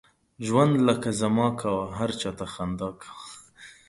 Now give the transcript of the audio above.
ژوند لکه زما کوه، هر چاته خندا کوه.